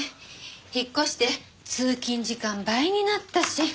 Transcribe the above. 引っ越して通勤時間倍になったし。